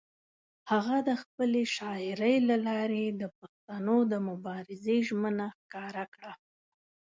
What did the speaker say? هغه د خپلې شاعرۍ له لارې د پښتنو د مبارزې ژمنه ښکاره کړه.